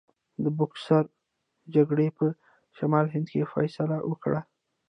د بوکسر جګړې په شمالي هند کې فیصله وکړه.